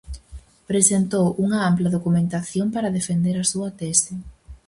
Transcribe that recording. Presentou unha ampla documentación para defender a súa tese.